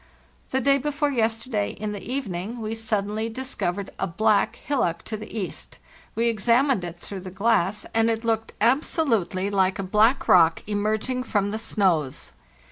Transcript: "The day before yesterday, in the evening, we sud denly discovered a black hillock to the east. We ex amined it through the glass and it looked absolutely like a black rock emerging from the snows.